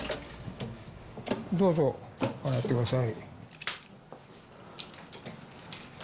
どうぞ上がってください。